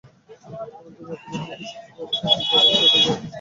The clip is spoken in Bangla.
অন্তর্মুখী ও বহির্মুখী শক্তিপ্রবাহ এই দুই প্রধান পথে গমনাগমন করে।